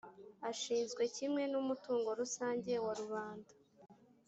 ashinzwe kimwe n umutungo rusange wa rubanda